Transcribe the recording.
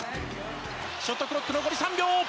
ショットクロック残り３秒。